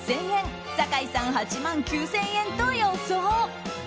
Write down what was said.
酒井さん、８万９０００円と予想。